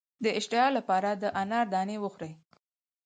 د اشتها لپاره د انار دانې وخورئ